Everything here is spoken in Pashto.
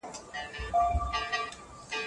آیا په خصوصي ښوونځیو کي دولتي نصاب تطبیق کیږي؟